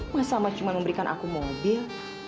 mas sama cuma memberikan aku mobil